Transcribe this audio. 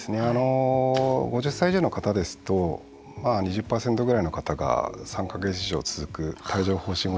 ５０歳以上の方ですと２０％ぐらいの方が３か月以上続く帯状ほう疹後